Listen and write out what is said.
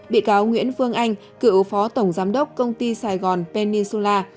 bị cáo nguyễn phương anh cựu phó tổng giám đốc công ty sài gòn pennysula